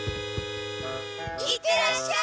行ってらっしゃい！